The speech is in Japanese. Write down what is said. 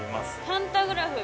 パンタグラフ。